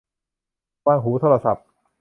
วางหูโทรศัพท์